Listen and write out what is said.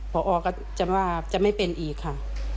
เพราะเอาก็จะไม่เป็นอีกค่ะ